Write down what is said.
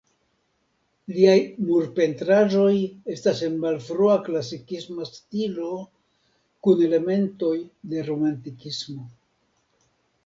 Liaj murpentraĵoj estas en malfrua klasikisma stilo kun elementoj de romantikismo.